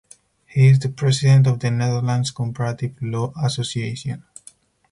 He is the President of the Netherlands Comparative Law Association.